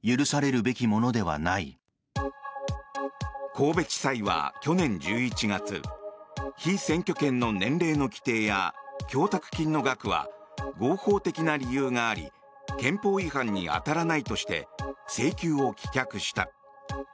神戸地裁は去年１１月被選挙権の年齢の規定や供託金の額は合法的な理由があり憲法違反に当たらないとして請求を棄却した。